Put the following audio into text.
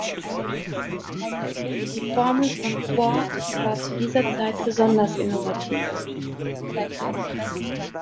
Die Formel von "Quark" war zu dieser Zeit besonders innovativ.